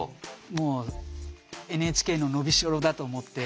もうＮＨＫの伸び代だと思って。